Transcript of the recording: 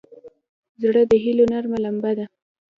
زړه د هيلو نرمه لمبه ده.